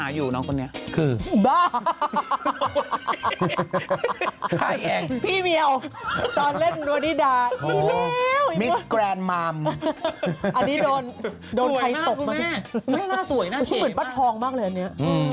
ชุดเหมือนปั๊ดทองมากเลยอันนี้